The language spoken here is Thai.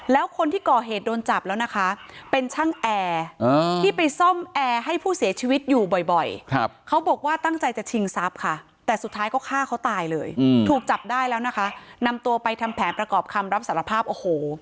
แล้วคนที่ก่อเหตุโดนจับแล้วนะคะเป็นช่างแอร์ที่ไปซ่อมแอร์ให้ผู้เสียชีวิตอยู่บ่อยเขาบอกว่าตั้งใจจะชิงทรัพย์ค่ะแต่สุดท้ายก็ฆ่าเขาตายเลยถูกจับได้แล้วนะคะนำตัวไปทำแผนประกอบคำรับสารภาพโอ้โห